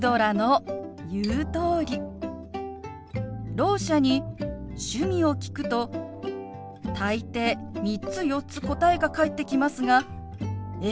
ろう者に趣味を聞くと大抵３つ４つ答えが返ってきますが「え？